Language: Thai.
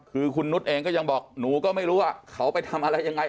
คือคุณนุษย์เองก็ยังบอกหนูก็ไม่รู้ว่าเขาไปทำอะไรยังไง